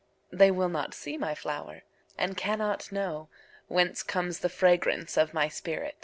They will not see my flower, And cannot knowWhence comes the fragrance of my spirit!